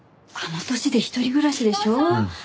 あの年で一人暮らしでしょ。